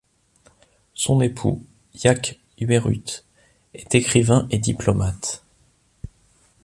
Son époux, Jaak Jõerüüt, est écrivain et diplomate.